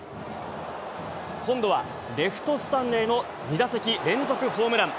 今度はレフトスタンドへの２打席連続ホームラン。